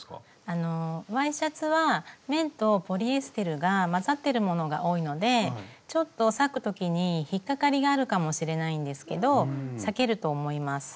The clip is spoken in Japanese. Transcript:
ワイシャツは綿とポリエステルがまざってるものが多いのでちょっと裂く時に引っ掛かりがあるかもしれないんですけど裂けると思います。